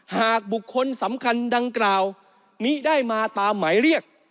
หากบุคคลสำคัญดังกล่าวมิได้มาตามหมายเรียก